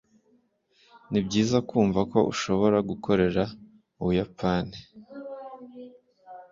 nibyiza kumva ko ushobora gukorera mubuyapani. (vgigregg